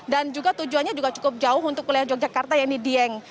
dan juga tujuannya juga cukup jauh untuk kuliah yogyakarta yang didieng